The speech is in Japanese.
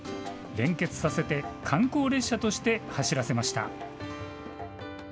連結させて観光列車として走らせました。